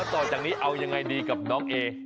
อ่าน้ส่วนจากนี้เอายังไงได้กับน้องเอ